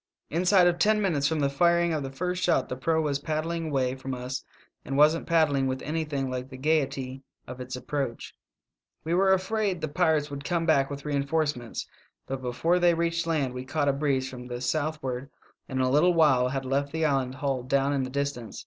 "Inside of ten minutes from the firing of the first shot the proa was paddling away from us, and wasn't paddling with anything like the gayety of its approach. We were afraid CHASED BY MALAY PIRATES. 269 the pirates would come back with re enforcements, but before they reached land we caught a breeze from the southward, and in a little while had left the island hull down in the distance.